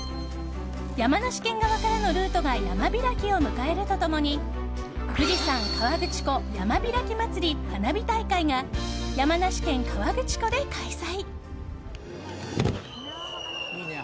山梨県側からのルートが山開きを迎えると共に富士山・河口湖山開きまつり花火大会が山梨県河口湖で開催。